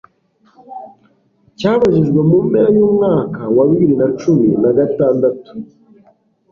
cyabajijwe mu mpera y'umwaka wa bibiri na cumi nagatandatu